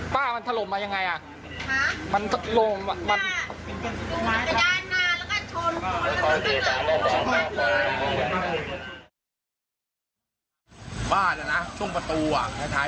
ป้ามันถล่มมาอย่างไร